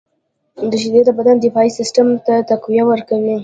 • شیدې د بدن دفاعي سیسټم ته تقویه ورکوي.